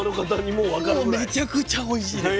もうめちゃくちゃおいしいです。